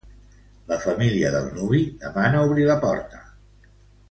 La família del nuvi demana obrir la porta.